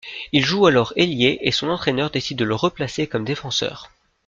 Il joue alors ailier et son entraineur décide de le replacer comme défenseur.